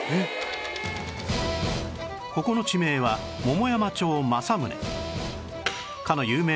ここの地名は桃山町正宗